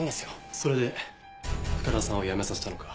それで深田さんを辞めさせたのか？